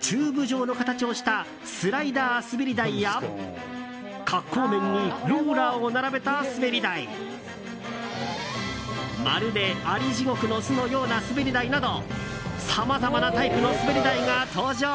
チューブ状の形をしたスライダー滑り台や滑降面にローラーを並べた滑り台まるでアリジゴクの巣のような滑り台などさまざまなタイプの滑り台が登場。